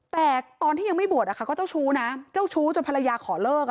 แต่ตอนที่ยังไม่บวชก็เจ้าชู้นะเจ้าชู้จนภรรยาขอเลิก